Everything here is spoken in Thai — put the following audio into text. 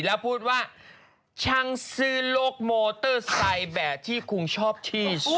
แล้วพูดว่าช่างซื้อโลกโมเตอร์ไซค์แบบที่คุณชอบที่สุด